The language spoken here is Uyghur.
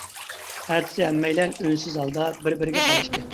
ئەتىسى ھەممەيلەن ئۈنسىز ھالدا بىر بىرىگە قاراشتى.